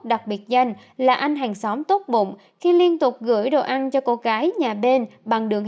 đặc biệt danh là anh hàng xóm tốt bụng khi liên tục gửi đồ ăn cho cô gái nhà bên bằng đường